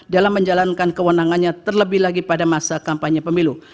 dalam menjalankan kewenangannya terlebih lagi pada masa kampanye pemilu